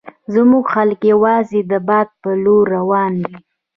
زموږ خلک یوازې د باد په لور روان وي.